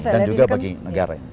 dan juga bagi negara ini